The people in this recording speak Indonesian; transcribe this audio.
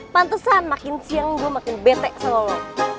pantesan makin siang gua makin bete sama lo